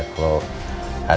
kalau adiknya sudah meninggal